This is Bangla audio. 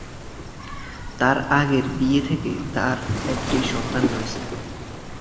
তার আগের বিয়ে থেকে তার একটি সন্তান রয়েছে।